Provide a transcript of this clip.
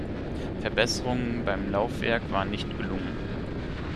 Verbesserungen beim Laufwerk waren nicht gelungen.